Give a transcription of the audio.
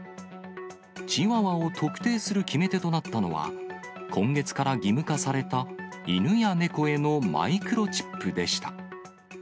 チワワを特定する決め手となったのは、今月から義務化された犬や猫へのマイクロチップでした。